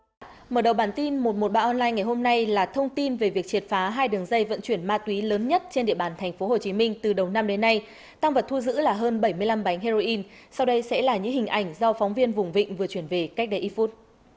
các bạn hãy đăng kí cho kênh lalaschool để không bỏ lỡ những video hấp dẫn